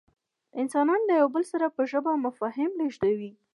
انسانان له یو بل سره په ژبه مفاهیم لېږدوي.